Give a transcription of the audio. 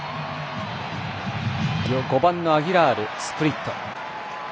５番のアギラール、スプリット。